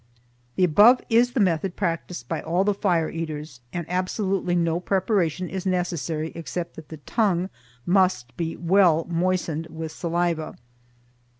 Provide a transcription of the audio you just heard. The above is the method practiced by all the Fire Eaters, and absolutely no preparation is necessary except that the tongue must be well moistened with saliva.